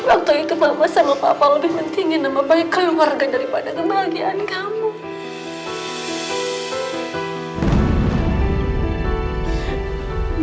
waktu itu bapak sama papa lebih pentingin sama baik keluarga daripada kebahagiaan kamu